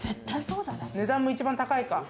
値段も一番高いか。